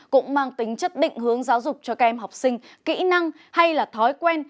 có tính chất định hướng giáo dục cho các em học sinh kỹ năng hay là thói quen